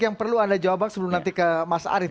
yang perlu anda jawab bang sebelum nanti ke mas arief